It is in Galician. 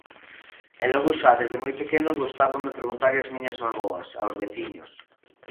E logo xa desde moi pequeno gustábame preguntarlle ás miñas avoas, aos veciños...